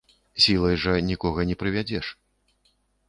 Сілай жа нікога не прывядзеш.